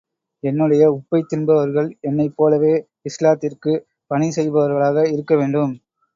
என்னுடைய உப்பைத் தின்பவர்கள் என்னைப் போலவே இஸ்லாத்திற்குப் பணி செய்பவர்களாக இருக்க வேண்டும்.